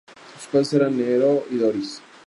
Sus padres eran Nereo y Doris.